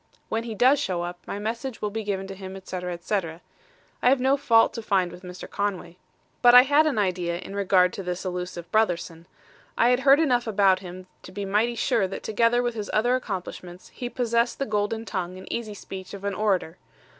When he does show up, my message will be given him, etc., etc. I have no fault to find with Mr. Conway. "But I had an idea in regard to this elusive Brotherson. I had heard enough about him to be mighty sure that together with his other accomplishments he possessed the golden tongue and easy speech of an orator.